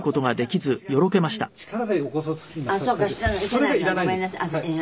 それがいらないんです。